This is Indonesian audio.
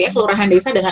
kelurahan desa dengan